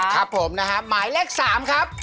ครับผมนะฮะหมายเลข๓ครับ